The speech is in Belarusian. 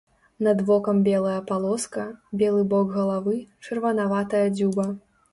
Над вокам белая палоска, белы бок галавы, чырванаватая дзюба.